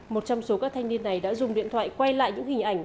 một trong số các thanh niên này đã dùng điện thoại quay lại những hình ảnh